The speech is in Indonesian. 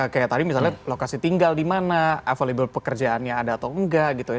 kayak tadi misalnya lokasi tinggal dimana available pekerjaannya ada atau enggak gitu ya